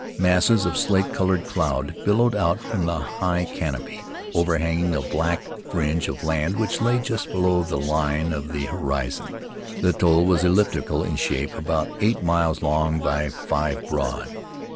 Masses of slate colored cloud billowed out from the high canopy, overhanging a black fringe of land which lay just below the line of the horizon. The atoll was elliptical in shape, about eight miles long by five broad.